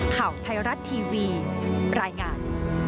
ข่าวไทยรัฐทีวีรายงาน